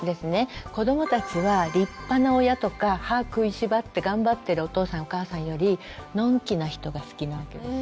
子どもたちは立派な親とか歯をくいしばって頑張ってるお父さんお母さんよりのんきな人が好きなわけです。